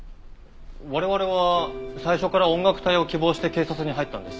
我々は最初から音楽隊を希望して警察に入ったんです。